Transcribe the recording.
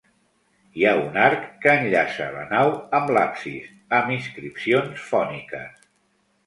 Hi ha un arc, que enllaça la nau amb l'absis, amb inscripcions fòniques.